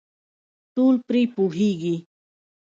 ټول پرې پوهېږي .